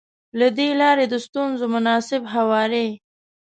له دې لارې د ستونزو مناسب هواری.